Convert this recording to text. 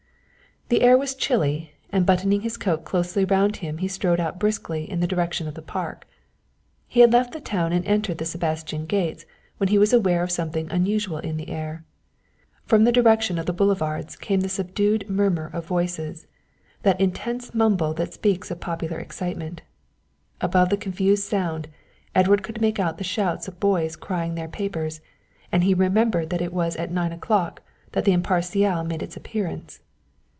The air was chilly, and buttoning his coat closely round him he strode out briskly in the direction of the park. He had left the town and entered the Sebastin Gates when he was aware of something unusual in the air. From the direction of the boulevards came the subdued murmur of voices, that intense mumble that speaks of popular excitement. Above the confused sound Edward could make out the shouts of boys crying their papers, and he remembered that it was at nine o'clock that the Imparcial made its appearance.